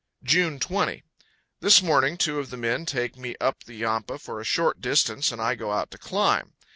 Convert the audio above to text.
June 20. This morning two of the men take me up the Yampa for a short distance, and I go out to climb.